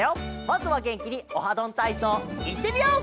まずはげんきに「オハどんたいそう」いってみよう！